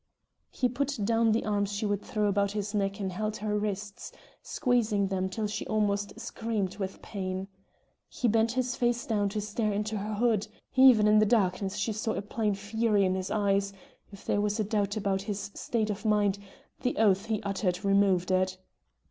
He put down the arms she would throw about his neck and held her wrists, squeezing them till she almost screamed with pain. He bent his face down to stare into her hood; even in the darkness she saw a plain fury in his eyes; if there was a doubt about his state of mind, the oath he uttered removed it.